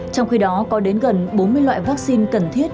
trong khi đó có đến gần bốn mươi loại vaccine cần thiết